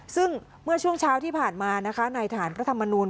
ซึ่งเมื่อช่วงเช้าที่ผ่านมานะคะในฐานพระธรรมนูล